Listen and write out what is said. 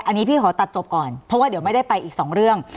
อันนี้พี่ขอตัดจบก่อนเพราะว่าเดี๋ยวไม่ได้ไปอีกสองเรื่อง